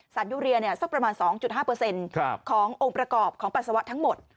ยุเรียสักประมาณ๒๕ขององค์ประกอบของปัสสาวะทั้งหมด